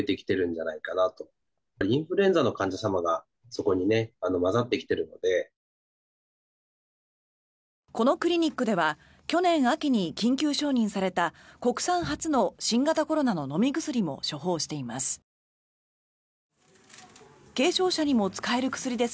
このクリニックでは去年秋に緊急承認された国産初の新型コロナの飲み薬も処方しています。